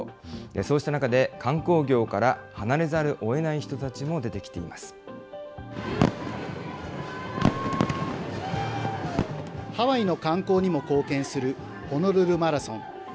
そうした中で、観光業から離れざるをえない人たちも出てきていまハワイの観光にも貢献するホノルルマラソン。